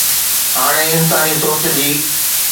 هاڻي انساني سوچ جي